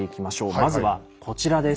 まずはこちらです。